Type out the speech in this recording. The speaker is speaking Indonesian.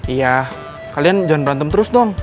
iya kalian jangan berantem terus dong